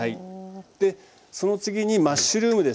その次にマッシュルームです。